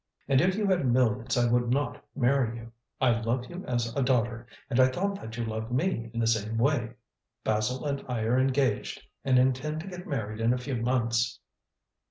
"And if you had millions I would not marry you. I love you as a daughter, and I thought that you loved me in the same way. Basil and I are engaged and intend to get married in a few months."